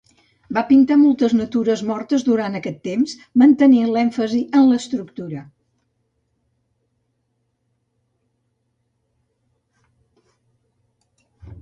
Va pintar moltes natures mortes durant aquest temps, mantenint l'èmfasi en l'estructura.